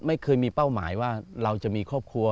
ไม่เคยมีเป้าหมายว่าเราจะมีครอบครัว